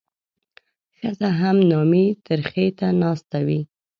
ښځه هم نامي ترخي ته ناسته وي.